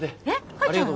帰っちゃうの？